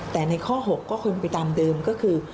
แต่ในข้อ๖ก็คงไปตามเดิมก็คือ